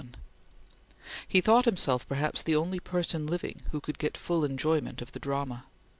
He thought himself perhaps the only person living who could get full enjoyment of the drama.